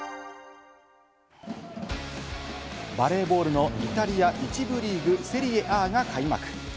バレーボールのイタリア１部リーグ・セリエＡが開幕。